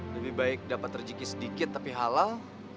lebih baik dapat terjeki sedikit tapi halal